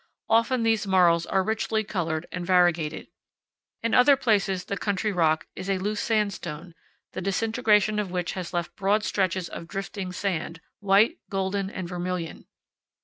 Often these marls are richly colored and variegated. In other places the country rock is a loose sandstone, the disintegration of which has left broad stretches of drifting sand, white, golden, and vermilion.